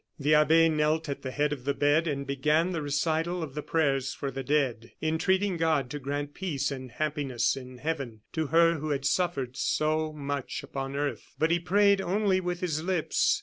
The abbe knelt at the head of the bed and began the recital of the prayers for the dead, entreating God to grant peace and happiness in heaven to her who had suffered so much upon earth. But he prayed only with his lips.